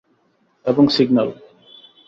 এবং, সিগন্যাল।